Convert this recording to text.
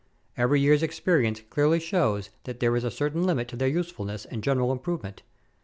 Every year's experience clearly shows that there is a certain limit to their usefulness and general improvement.